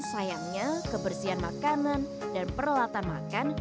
sayangnya kebersihan makanan dan peralatan makan